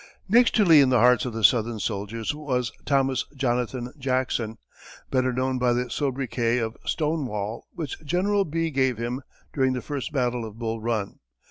Next to Lee in the hearts of the Southern soldiers was Thomas Jonathan Jackson, better known by the sobriquet of "Stonewall," which General Bee gave him during the first battle of Bull Run.